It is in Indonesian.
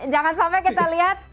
jangan sampai kita lihat